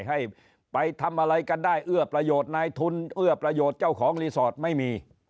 ให้ไปทำอะไรกันได้เอื้อประโยชน์นายทุนเอื้อประโยชน์เจ้าของรีสอร์ทไม่มี